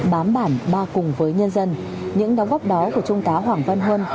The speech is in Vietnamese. bám bản ba cùng với nhân dân những đóng góp đó của trung tá hoàng văn huân